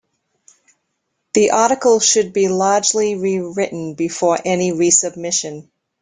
The article should be largely rewritten before any resubmission.